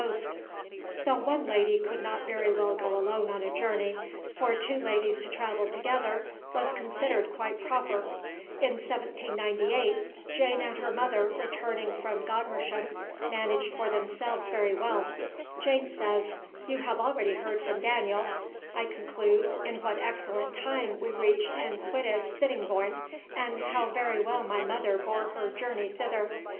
[Illustration: TRAVELLERS ARRIVING AT 'EAGLE TAVERN,' STRAND] Though one lady could not very well go alone on a journey, for two ladies to travel together was considered quite proper. In 1798, Jane and her mother returning from Godmersham managed for themselves very well. Jane says, "You have already heard from Daniel, I conclude, in what excellent time we reached and quitted Sittingbourne and how very well my mother bore her journey thither....